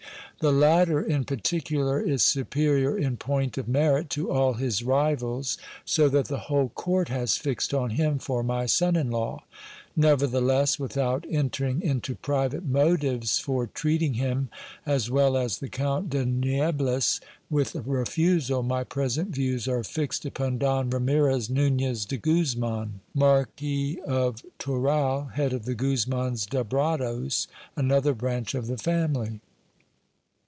The latter in particular is superior in point of merit to all his rivals, so that the whole court has fixed on him for my son in law. Nevertheless, without enter ing into private motives for treating him, as well as the Count de Niebles, with a refusal, my present views are fixed upon Don Ramires Nunez de Guzman, Marquis of Toral, head of the Guzmans d'Abrados, another branch of the family.